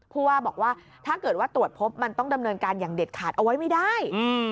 ผู้ว่าบอกว่าถ้าเกิดว่าตรวจพบมันต้องดำเนินการอย่างเด็ดขาดเอาไว้ไม่ได้